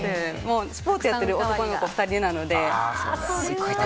スポーツやっている男の子２人なので。